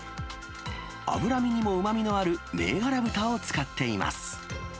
脂身にもうまみのある銘柄豚を使っています。